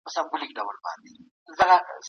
سبا به موږ پر خپلو کاري ستونزو بحث کوو.